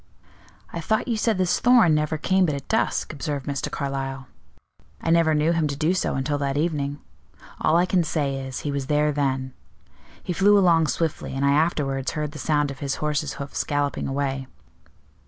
"I thought you said this Thorn never came but at dusk," observed Mr. Carlyle. "I never knew him to do so until that evening. All I can say is, he was there then. He flew along swiftly, and I afterwards heard the sound of his horse's hoofs galloping away.